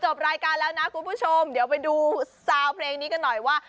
รายการแล้วนะคุณผู้ชมเดี๋ยวไปดูซาวเพลงนี้กันหน่อยว่า